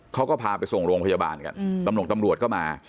เขาก็พาไปส่งโรงพยาบาลกันตำรวจก็มา